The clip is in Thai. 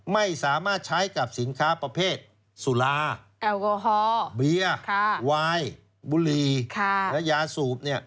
ไม่สามารถใช้กับสินค้าประเภทสุราแอลกอฮอลเบียร์วายบุรีและยาสูบ